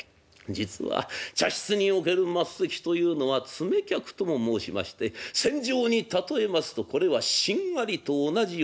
実は茶室における末席というのは詰め客とも申しまして戦場に例えますとこれはしんがりと同じようなもの。